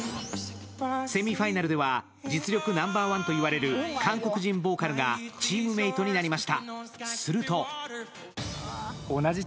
セミファイナルでは実力ナンバーワンといわれる韓国ボーカルがチームメイトになりました。